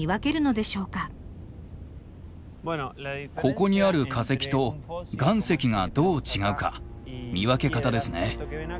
ここにある化石と岩石がどう違うか見分け方ですね。